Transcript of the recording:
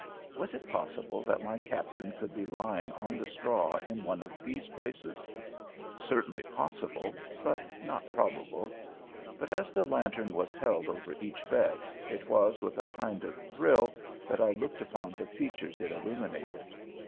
Was it possible that my Captain could be lying on the straw in one of these places? Certainly possible, but not probable; but as the lantern was held over each bed, it was with a kind of thrill that I looked upon the features it illuminated.